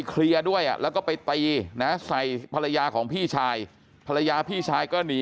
เคลียร์ด้วยแล้วก็ไปตีนะใส่ภรรยาของพี่ชายภรรยาพี่ชายก็หนี